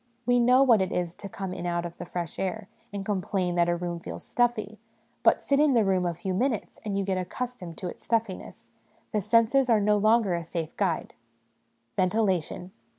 We know what it is to come in out of the fresh air and complain that a room feels stuffy ; but sit in the room a few minutes, and you get accustomed to its stuffiness ; the senses are no longer a safe guide. Ventilation.